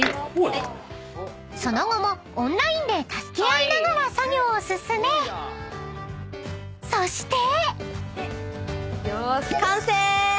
［その後もオンラインで助け合いながら作業を進めそして］よーし。